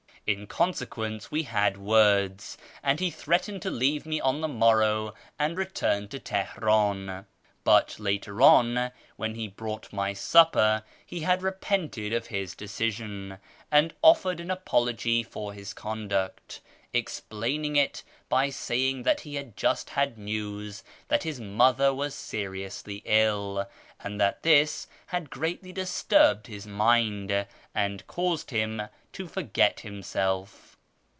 In consequence, we had words, and he threatened to leave me on the morrow and return to Teheran ; but later on, when he brought my supper, he had repented of his decision, and offered an apology for his conduct, explaining it by saying that he had just had news that bis mother was seriously ill, and that this had greatly disturbed his mind, and caused him to forget himself.